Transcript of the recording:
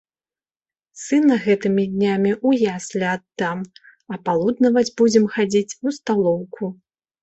Сына гэтымі днямі ў яслі аддам, а палуднаваць будзем хадзіць у сталоўку.